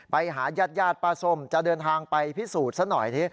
ไปหายาดป้าส้มจะเดินทางไปพิสูจน์ซะหน่อยนี้